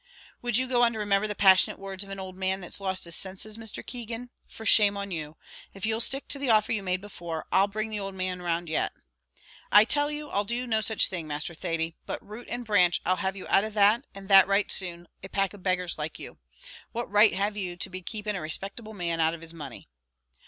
"Would you go to remember the passionate words of an owld man that's lost his senses, Mr. Keegan? for shame on you. If you'll stick to the offer you made before, I'll bring the old man round yet." "I tell you I'll do no such thing, Master Thady; but root and branch I'll have you out of that, and that right soon; a pack of beggars like you! What right have you to be keeping a respectable man out of his money?"